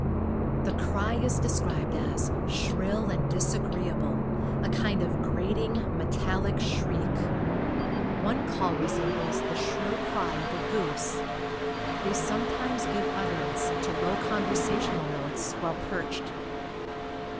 The cry is described as "shrill and disagreeable, a kind of grating, metallic shriek." One call resembles the shrill cry of a goose. They sometimes give utterance to low conversational notes while perched.